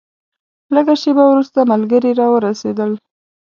لږه شېبه وروسته ملګري راورسېدل.